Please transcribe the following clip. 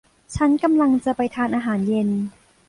ฉันกำลังจะไปทานอาหารเย็น